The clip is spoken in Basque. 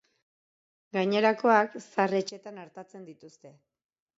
Gainerakoak zahar-etxeetan artatzen dituzte.